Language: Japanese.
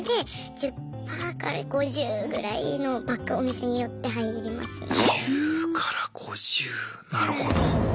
１０５０なるほど。